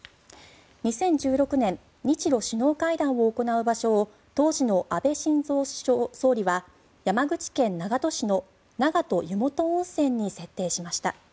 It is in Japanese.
２０１６年日ロ首脳会談を行う場所を当時の安倍晋三総理は山口県長門市の長門湯本温泉に設定しました。